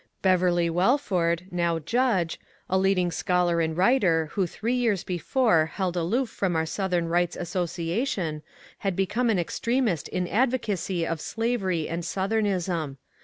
Beverly Wellford (now judge), a leading scholar and writer, who three years before held aloof from our South em Kights Association, had become an extremist in advocacy of slavery and Southemism.